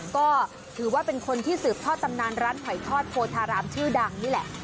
ก็ถือว่าเป็นคนที่สืบทอดตำนานร้านหอยทอดโพธารามชื่อดังนี่แหละ